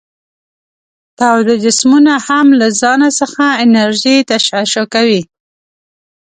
تاوده جسمونه هم له ځانه څخه انرژي تشعشع کوي.